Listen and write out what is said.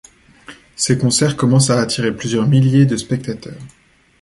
Ses concerts commencent à attirer plusieurs milliers de spectateurs.